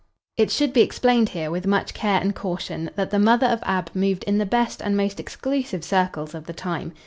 It should be explained here, with much care and caution, that the mother of Ab moved in the best and most exclusive circles of the time.